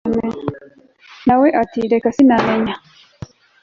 nawe ati reka sinamenya